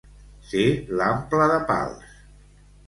Ser l'ample de Pals.